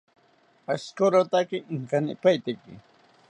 Ashikorotake inkanipaiteki